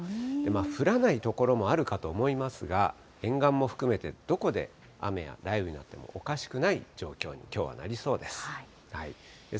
降らない所もあるかと思いますが、沿岸も含めてどこで雨や雷雨になってもおかしくない状況に、きょうはなりそうです。